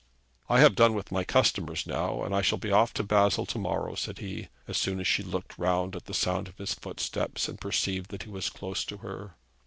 'I have done with my customers now, and I shall be off to Basle to morrow,' said he, as soon as she had looked round at the sound of his footsteps and perceived that he was close to her.